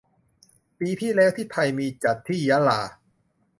ปีที่แล้วที่ไทยมีจัดที่ยะลา